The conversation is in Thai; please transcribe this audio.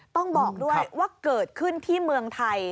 ต้องบอกด้วยว่าเกิดขึ้นที่เมืองไทย